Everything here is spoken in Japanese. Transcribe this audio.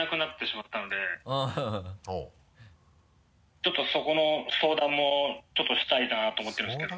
ちょっとそこの相談もちょっとしたいなと思ってるんですけど。